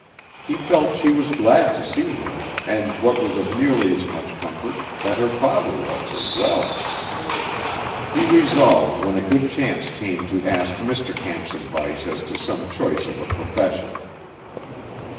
He felt she was glad to see him, and what was of nearly as much comfort, that her father was, as well. He resolved when a good chance came to ask Mr. Camp's advice as to some choice of a profession.